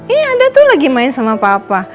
iya anda tuh lagi main sama papa